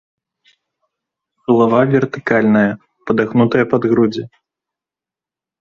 Галава вертыкальная, падагнутая пад грудзі.